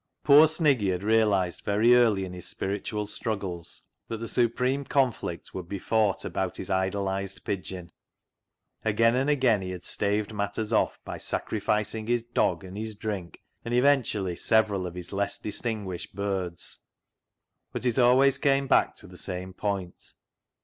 Poor Sniggy had realised very early in his spiritual struggles that the supreme conflict would be fought about his idolised pigeon. Again and again he had staved matters off by sacrificing his dog and his drink, and eventually several of his less distinguished birds, but it always came back to the same point.